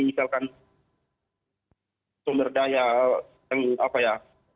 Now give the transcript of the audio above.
misalkan sumber daya yang apa ya